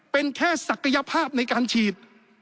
เป็นแค่ศักยภาพในการฉีด